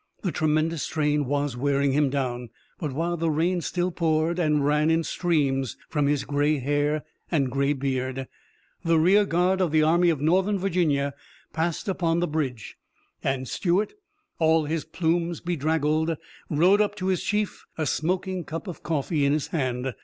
The tremendous strain was wearing him down. But while the rain still poured and ran in streams from his gray hair and gray beard, the rear guard of the Army of Northern Virginia passed upon the bridge, and Stuart, all his plumes bedraggled, rode up to his chief, a smoking cup of coffee in his hand.